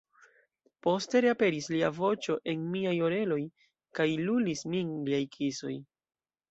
Poste reaperis lia voĉo en miaj oreloj, kaj lulis min liaj kisoj.